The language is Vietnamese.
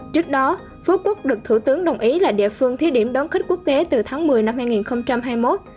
trước đó phú quốc được thủ tướng đồng ý là địa phương thi điểm đón khách quốc tế từ tháng một mươi năm hai nghìn hai mươi một